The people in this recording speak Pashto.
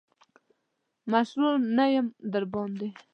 مشرو نه یم دباندي.